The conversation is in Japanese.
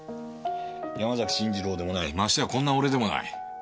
山崎信二郎でもないましてやこんな俺でもない。